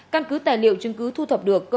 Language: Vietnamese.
căn cứ tài liệu chứng cứ thu thập được